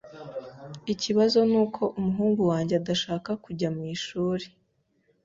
Ikibazo nuko umuhungu wanjye adashaka kujya mwishuri.